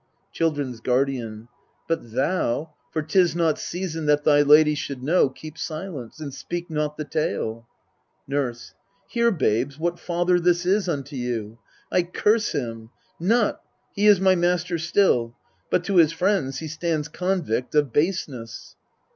Children's Guardian. But thou for 'tis not season that thy lady Should know keep silence, and speak not the tale. Nurse. Hear, babes, what father this is unto you ! I curse him not : he is my master still : But to his friends he stands convict of baseness.